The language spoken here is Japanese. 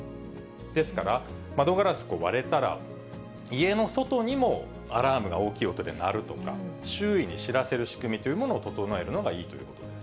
ですから窓ガラスが割れたら、家の外にもアラームが大きい音で鳴るとか、周囲に知らせる仕組みというものを整えるのがいいということです。